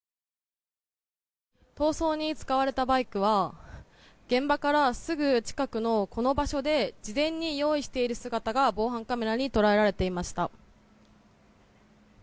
逃走に使われたバイクは現場からすぐ近くのこの場所で事前に用意している姿が防犯カメラに捉えられていました。